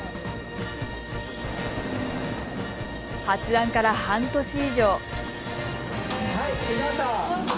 発案から半年以上。